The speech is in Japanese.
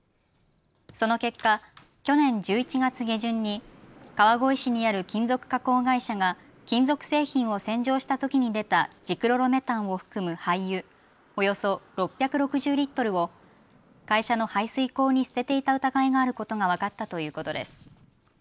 その結果、去年１１月下旬に川越市にある金属加工会社が金属製品を洗浄したときに出たジクロロメタンを含む廃油、およそ６６０リットルを会社の排水口に捨てていた疑いがあることが分かったということです。